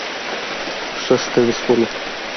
ښه ستړي شولو.